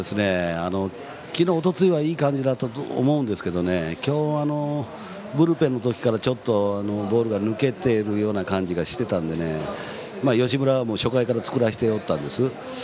きのう、おとといはいい感じだったと思うんですけどきょうは、ブルペンのときからボールが抜けているような感じがしていましたので、吉村は初回から作らせていたんです。